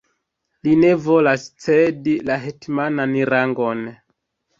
Li ne volas cedi la hetmanan rangon!